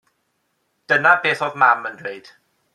Dyna beth oedd mam yn dweud.